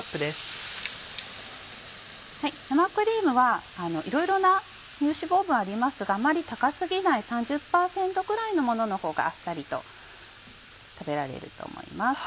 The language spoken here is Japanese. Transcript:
生クリームはいろいろな乳脂肪分ありますがあまり高過ぎない３０％ぐらいのものの方があっさりと食べられると思います。